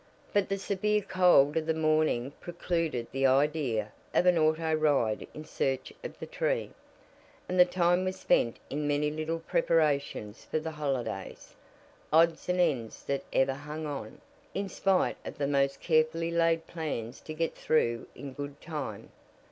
But the severe cold of the morning precluded the idea of an auto ride in search of the tree, and the time was spent in many little preparations for the holiday odds and ends that ever hang on, in spite of the most carefully laid plans to get through in good time.